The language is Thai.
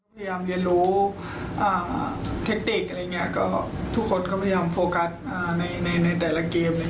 พยายามเรียนรู้เทคนิคอะไรอย่างเงี้ยก็ทุกคนก็พยายามโฟกัสในในแต่ละเกม